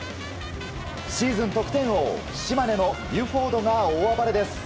シーズン得点王、島根のビュフォードが大暴れです。